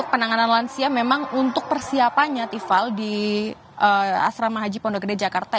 penanganan lansia memang untuk persiapannya ival di asrama haji pondok gede jakarta